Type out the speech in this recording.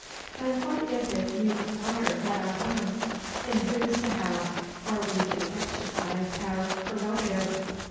But what is it ye require at our hands? In whose behalf are we to exercise our prerogative?"